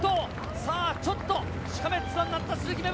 さぁ、ちょっとしかめっ面になった鈴木芽吹。